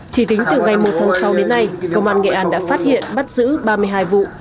chỉ tính từ ngày một tháng sáu đến nay công an nghệ an đã phát hiện bắt giữ ba mươi hai vụ